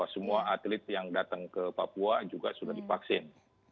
semua atlet yang datang ke papua juga sudah divaksin